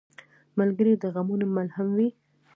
ملګری د غمونو ملهم وي.